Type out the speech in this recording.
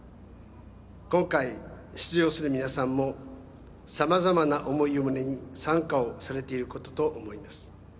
今回出場する皆さんも様々な想いを胸に参加されていることと思います。